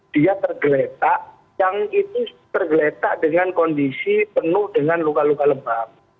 dia tergeletak yang itu tergeletak dengan kondisi penuh dengan luka luka lebam